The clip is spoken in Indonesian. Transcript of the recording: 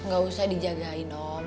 gak usah dijagain om